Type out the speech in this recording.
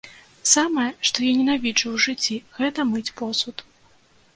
Самае, што я ненавіджу ў жыцці, гэта мыць посуд.